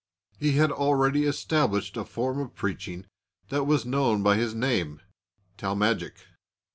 He had already established a form of preaching that was known by his name Talmagic.